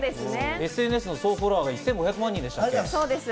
ＳＮＳの総フォロワーが１５００万人でしたっけ？